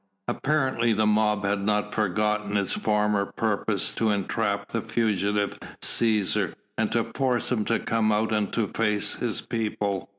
Apparently the mob had not forgotten its former purpose to entrap the fugitive Cæsar and to force him to come out and to face his people.